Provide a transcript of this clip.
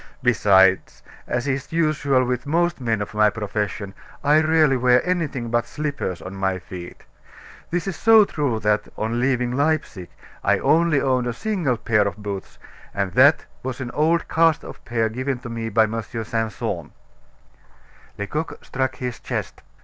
Besides, as is usual with most men of my profession, I rarely wear anything but slippers on my feet. This is so true that, on leaving Leipsic, I only owned a single pair of boots, and that was an old cast off pair given me by M. Simpson." Lecoq struck his chest.